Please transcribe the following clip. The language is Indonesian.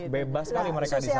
bebas sekali mereka di sana